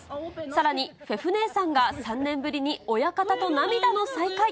さらに、フェフ姉さんが３年ぶりに親方と涙の再会。